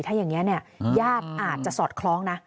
ถ้าอย่างนี้ญาติอาจจะสอดคล้องนะ